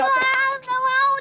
wah gak mau